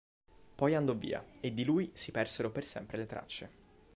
Poi andò via e di lui si persero per sempre le tracce.